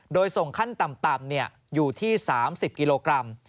โดยส่งขั้นต่ำอยู่ที่๓๐กิโลกรัม